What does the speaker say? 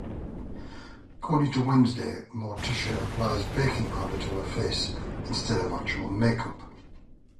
According to Wednesday, Morticia applies baking powder to her face instead of actual makeup.